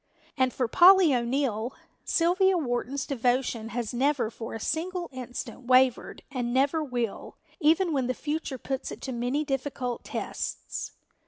And for Polly O'Neill, Sylvia Wharton's devotion has never for a single instant wavered and never will, even when the future puts it to many difficult tests.